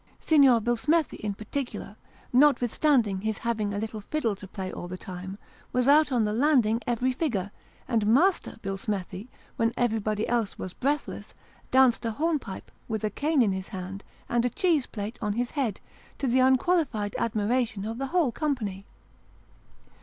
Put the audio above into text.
Signor Billsmethi in particular, notwithstanding his having a little fiddle to play all the time, was out on the landing every figure, and Master Billsmethi, when everybody else was breathless, danced a hornpipe, with a cane in his hand, and a cheese plate on his head, to the unqualified admira tion of the whole company.